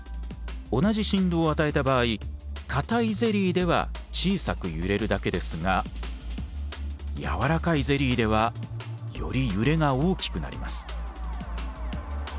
同じ振動を与えた場合固いゼリーでは小さく揺れるだけですが軟らかいゼリーではより揺れが大きくなります。